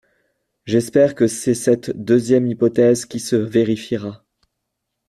J’espère que c’est cette deuxième hypothèse qui se vérifiera.